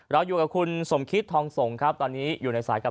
เราอยู่กับคุณสมคิตทองสงครับตอนนี้อยู่ในสายกับ